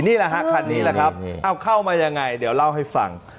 นี่แหละฮะคันนี้แหละครับเอาเข้ามายังไงเดี๋ยวเล่าให้ฟัง